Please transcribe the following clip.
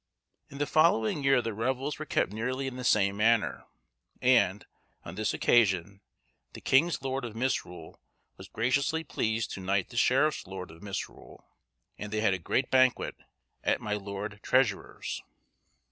In the following year the revels were kept nearly in the same manner; and, on this occasion, the king's lord of Misrule was graciously pleased to knight the sheriff's lord of Misrule; and they had a great banquet at my lord Treasurer's.